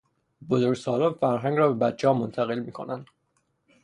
بزرگسالان فرهنگ را به بچهها منتقل میکنند.